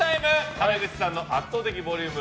原口さんの圧倒的ボリューム！